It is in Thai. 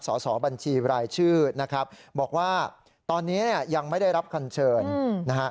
สอบบัญชีรายชื่อนะครับบอกว่าตอนนี้เนี่ยยังไม่ได้รับคำเชิญนะฮะ